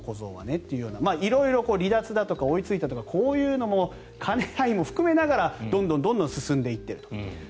こういう、色々と追いついたとかこういう兼ね合いも含めながらどんどん進んでいっていると。